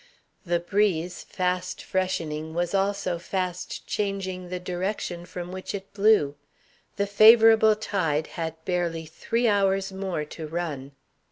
The breeze, fast freshening, was also fast changing the direction from which it blew. The favorable tide had barely three hours more to run.